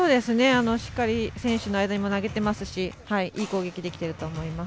しっかり選手の間に投げていますしいい攻撃ができていると思います。